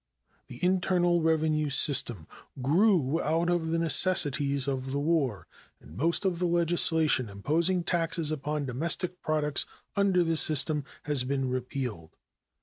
The internal revenue system grew out of the necessities of the war, and most of the legislation imposing taxes upon domestic products under this system has been repealed.